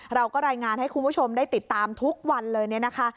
เราก็รายงานให้คุณผู้ชมได้ติดตามทุกวันเลยเนี่ยนะคะ